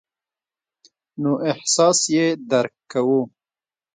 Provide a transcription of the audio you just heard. نو احساس یې درک کوو.